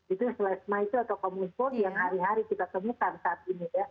itu plasma atau common cold yang hari hari kita temukan saat ini